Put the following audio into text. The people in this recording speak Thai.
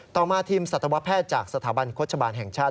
ต่อมาทีมสัตวแพทย์จากสถาบันโฆษบาลแห่งชาติ